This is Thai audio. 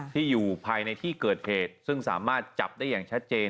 ที่อยู่ภายในที่เกิดเหตุซึ่งสามารถจับได้อย่างชัดเจน